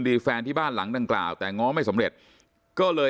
พี่สาวต้องเอาอาหารที่เหลืออยู่ในบ้านมาทำให้เจ้าหน้าที่เข้ามาช่วยเหลือ